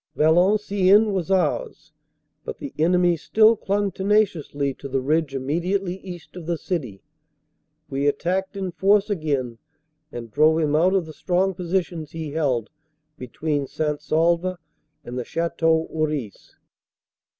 Valenciennes was ours, but the enemy still clung tenaci 368 CANADA S HUNDRED DAYS ously to the ridge immediately east of the city. We attacked in force again and drove him out of the strong positions he held between St. Saulve and the Chateau Houris.